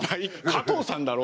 「加藤さんだろ？